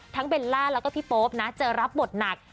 เบลล่าแล้วก็พี่โป๊ปนะจะรับบทหนัก